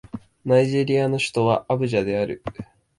ナイジェリアの首都はアブジャである